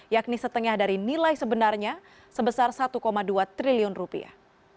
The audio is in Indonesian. yakni setengah dari nilai sebenarnya sebesar satu dua triliun rupiah